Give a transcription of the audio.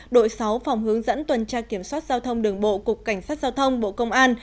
đội sáu phòng hướng dẫn tuần tra kiểm soát giao thông đường bộ cục cảnh sát giao thông bộ công an